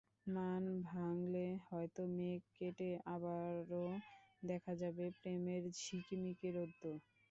মান ভাঙলে হয়তো মেঘ কেটে আবারও দেখা দেবে প্রেমের ঝিকিমিকি রোদ্দুর।